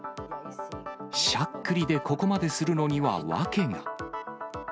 しゃっくりでここまでするのには訳が。